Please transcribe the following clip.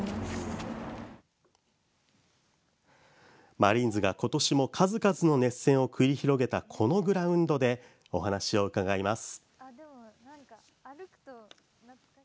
マリーンズが今年も数々の熱戦を繰り広げたこのグラウンドでお話を伺います。